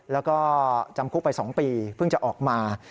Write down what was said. แล้วก็จำคุกไป๒ปีเพิ่งจะออกมา